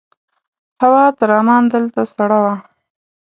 هوا تر عمان دلته سړه وه.